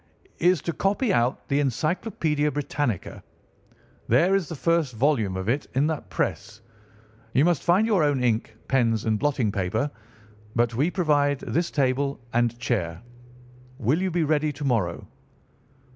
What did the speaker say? "'Is to copy out the Encyclopædia Britannica. There is the first volume of it in that press. You must find your own ink, pens, and blotting paper, but we provide this table and chair. Will you be ready to morrow?